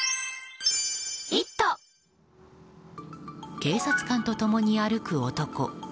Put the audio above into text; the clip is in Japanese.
警察官と共に歩く男。